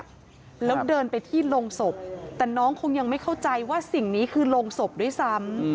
แล้วเดินไปที่โรงศพแต่น้องคงยังไม่เข้าใจว่าสิ่งนี้คือโรงศพด้วยซ้ำ